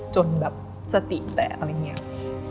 จนแบบสติแตกอะไรอย่างนี้